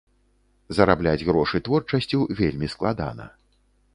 Зарабляць грошы творчасцю вельмі складана.